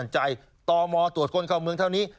ตมตรวจคนเข้าเมืองเท่านี้